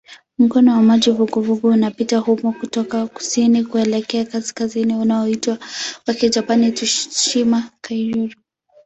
Mkondo wa maji vuguvugu unapita humo kutoka kusini kuelekea kaskazini unaoitwa kwa Kijapani "Tsushima-kairyū".